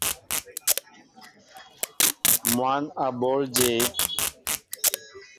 Mwăn a bǒl jě ?